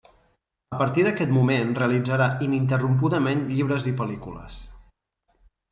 A partir d'aquest moment realitzarà ininterrompudament llibres i pel·lícules.